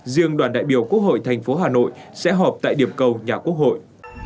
riêng đoàn đại biểu quốc hội thành phố hà nội sẽ họp tại điểm cầu nhà quốc hội